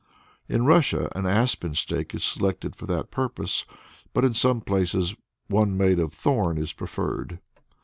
In Russia an aspen stake is selected for that purpose, but in some places one made of thorn is preferred.